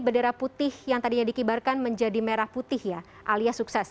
bendera putih yang tadinya dikibarkan menjadi merah putih ya alias sukses